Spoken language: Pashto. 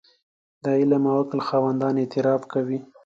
د علم او عقل خاوندان اعتراف کوي.